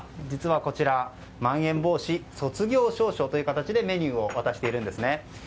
実はこちらまん延防止卒業証書という形でメニューを渡しています。